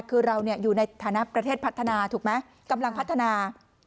คือเราอยู่ในฐานะประเทศพัฒนาถูกไหมกำลังพัฒนา